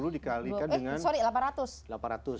empat puluh dikalikan dengan